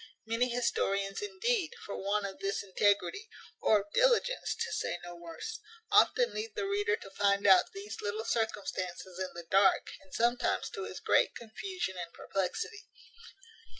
Many historians, indeed, for want of this integrity, or of diligence, to say no worse, often leave the reader to find out these little circumstances in the dark, and sometimes to his great confusion and perplexity.